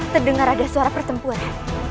terdengar ada suara pertempuran